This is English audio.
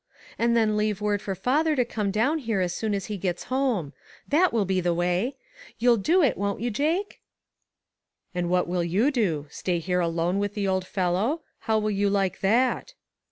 And then leave word for father to come down here as soon as he gets home. That will be the way. You'll do it, won't you, Jake?" "And what will you do? Stay here alone with the old fellow? How will you like that?"